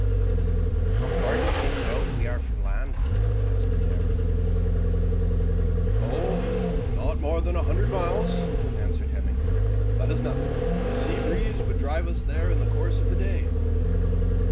"How far do you make it out we are from the land?" asked Adair. "Oh, not more than a hundred miles," answered Hemming. "That is nothing. The sea breeze would drive us in there in the course of the day."